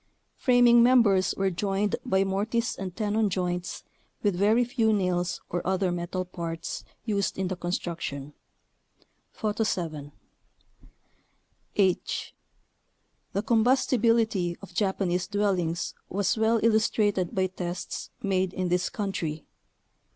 Framing members were joined by mortise and tenon joints with very few nails or other metal parts used in the construction (Photo 7). h. The combustibility of Japanese dwellings was well illustrated by tests made in this coun try.